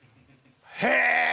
へえ！